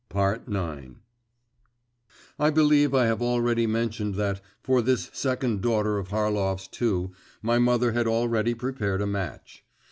IX I believe I have already mentioned that, for this second daughter of Harlov's too, my mother had already prepared a match.